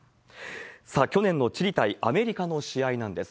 さあ、去年のチリ対アメリカの試合なんです。